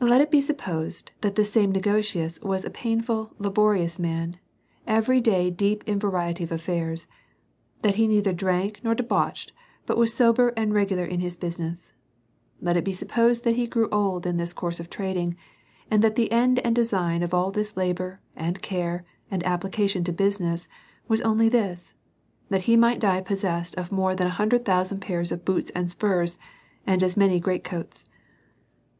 Let it be supposed, that this same Negotius was a painful, laborious man, every day deep in a variety of affairs ; that he neither drank nor debauched, but was sober and regular in his business. Let it be supposed that he grew old in this course of trading ; and that the end and design of all this labour, and care, and application to business, was only this, that he might die possessed of more than an hundred thousand pairs of boots and spurs, and as many great coats.